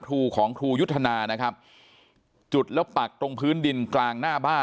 ครูของครูยุทธนานะครับจุดแล้วปักตรงพื้นดินกลางหน้าบ้าน